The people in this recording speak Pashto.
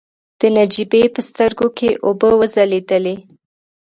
د نجيبې په سترګو کې اوبه وځلېدلې.